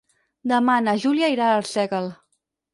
Demà na Júlia irà a Arsèguel.